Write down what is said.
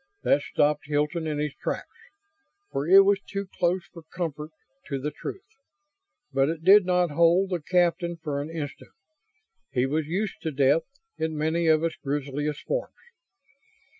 That stopped Hilton in his tracks, for it was too close for comfort to the truth. But it did not hold the captain for an instant. He was used to death, in many of its grisliest forms.